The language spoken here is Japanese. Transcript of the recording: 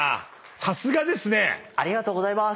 さすがですね。ありがとうございます。